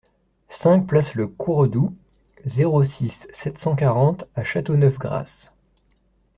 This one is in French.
cinq place Le Courredou, zéro six, sept cent quarante à Châteauneuf-Grasse